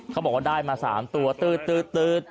เขาบอกว่าได้มา๓ตัวตื๊ด